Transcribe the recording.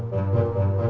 sampai jumpa lagi